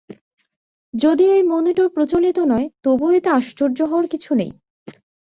যদিও এই মনিটর প্রচলিত নয়, তবুও এতে আশ্চর্য হওয়ার কিছু নেই।